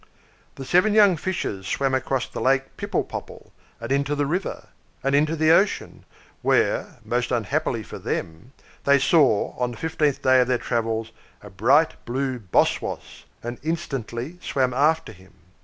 The seven young Fishes swam across the Lake Pipple Popple, and into the river, and into the ocean; where, most unhappily for them, they saw, on the fifteenth day of their travels, a bright blue Boss Woss, and instantly swam after him.